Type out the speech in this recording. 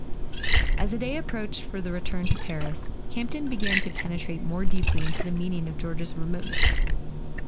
As the day approached for the return to Paris, Camp¬ ton began to penetrate more deeply into the meaning of George's remoteness.